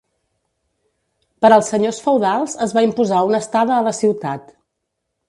Per als senyors feudals es va imposar una estada a la ciutat.